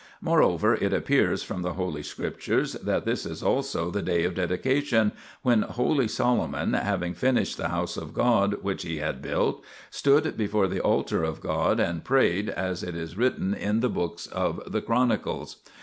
Moreover, it appears from the Holy Scriptures 2 that this is also the day of dedication, when holy Solomon, having finished the House of God which he had built, stood before the altar of God and prayed, as it is written in the books of the Chronicles.